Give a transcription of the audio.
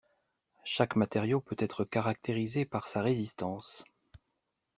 Chaque matériau peut être caractérisé par sa résistance.